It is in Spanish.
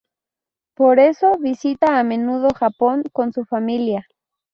Por eso visita a menudo Japón con su familia.